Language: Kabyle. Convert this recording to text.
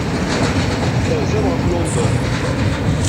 Terzam ɣef London.